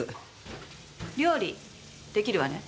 料理できるわね？